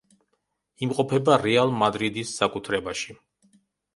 იმყოფება „რეალ მადრიდის“ საკუთრებაში.